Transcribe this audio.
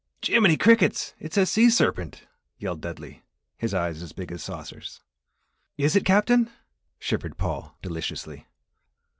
"Jiminy crickets! It's a sea serpent!" yelled Dudley, his eyes as big as saucers. "Is it, Captain?" shivered Paul, deliciously.